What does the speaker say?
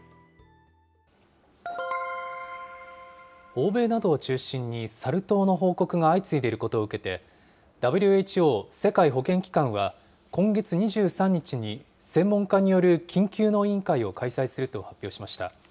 欧米などを中心にサル痘の報告が相次いでいることを受けて、ＷＨＯ・世界保健機関は、今月２３日に、専門家による緊急の委員会を開催すると発表しました。